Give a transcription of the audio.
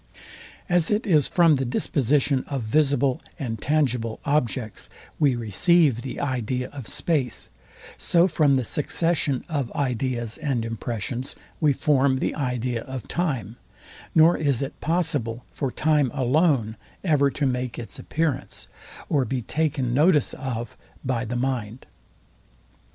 As it is from the disposition of visible and tangible objects we receive the idea of space, so from the succession of ideas and impressions we form the idea of time, nor is it possible for time alone ever to make its appearance, or be taken notice of by the mind.